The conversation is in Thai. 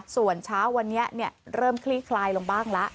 ส่วนเช้าวันนี้เริ่มคลี่คลายลงบ้างละ